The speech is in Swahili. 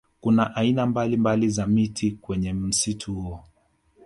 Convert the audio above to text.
Kuna aina mbalimbali za miti kwenye msitu huo